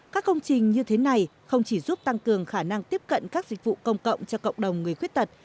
các công trình như thế này không chỉ giúp tăng cường khả năng tiếp cận các dịch vụ công cộng cho cộng đồng người khuyết tật